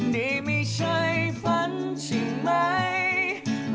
นี่ไม่ใช่ฝันใช่ไหม